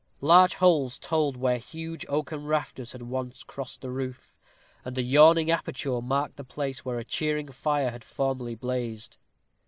Large holes told where huge oaken rafters had once crossed the roof, and a yawning aperture marked the place where a cheering fire had formerly blazed.